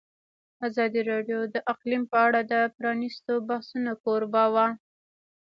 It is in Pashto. ازادي راډیو د اقلیم په اړه د پرانیستو بحثونو کوربه وه.